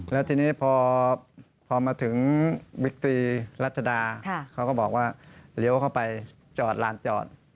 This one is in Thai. แล้วทีนี้พอมาถึงบิ๊กตรีรัชดาเขาก็บอกว่าเลี้ยวเข้าไปจอดลานจอด